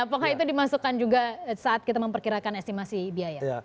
apakah itu dimasukkan juga saat kita memperkirakan estimasi biaya